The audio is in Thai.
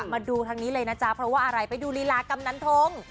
มาดูทางนี้เลยนะจ๊ะเพราะว่าอะไรไปดูลีลากำนันทง